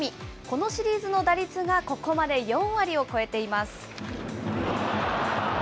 このシリーズの打率がここまで４割を超えています。